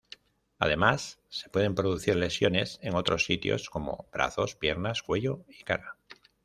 Además, se pueden producir lesiones en otros sitios como brazos, piernas, cuello y cara.